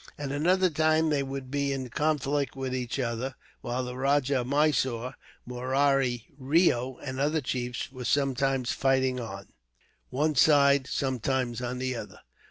At another time they would be in conflict with each other, while the Rajah of Mysore, Murari Reo, and other chiefs were sometimes fighting on one side, sometimes on another.